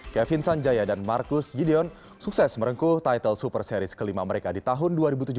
kevin sanjaya dan marcus gideon sukses merengkuh title super series kelima mereka di tahun dua ribu tujuh belas